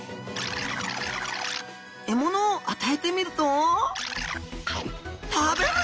獲物を与えてみると食べる！